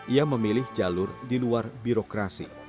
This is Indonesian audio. ia memilih jalur di luar birokrasi